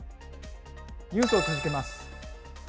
ニュースを続けます。